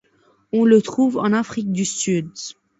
On le trouve en Afrique du Sud.